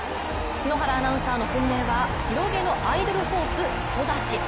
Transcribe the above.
篠原アナウンサーの本命は白毛のアイドルホース・ソダシ。